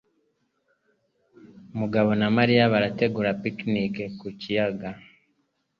Mugabo na Mariya barategura picnic ku kiyaga. (shitingi)